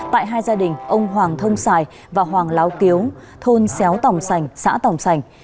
tại hai gia đình ông hoàng thông sài và hoàng láo kiếu thôn xéo tồng sành xã tồng sành